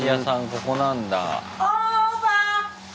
ここなんだ。